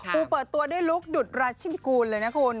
ปูเปิดตัวด้วยลุคดุดราชินกูลเลยนะคุณ